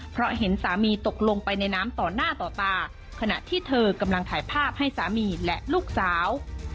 เพราะเห็นสามีตกลงไปในน้ำต่อหน้าต่อตาขณะที่เธอกำลังถ่ายภาพให้สามีและลูกสาว